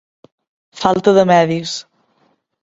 Falta de medis.